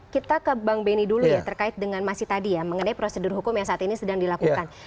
kita ke bang benny dulu ya terkait dengan masih tadi ya mengenai prosedur hukum yang saat ini sedang dilakukan